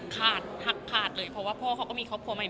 หักขาดเลยเพราะว่าพ่อเขาก็มีครอบครัวใหม่